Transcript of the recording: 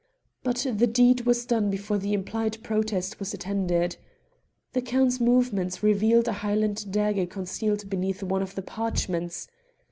But the deed was done before the implied protest was attended. The Count's movements revealed a Highland dagger concealed beneath one of the parchments!